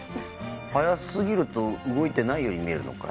速すぎると動いてないように見えるのかい？